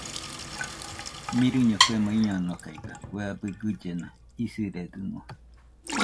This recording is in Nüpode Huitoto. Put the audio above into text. Mɨrɨño kuemo iñonokaiga kue abɨ gɨllena isiredɨnua.